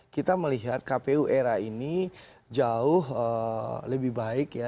kita melihat kpu era ini jauh lebih baik ya